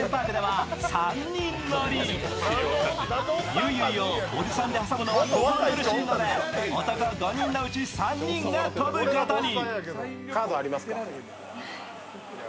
ゆいゆいをおじさんで挟むのは心苦しいので男５人のうち３人が飛ぶことに。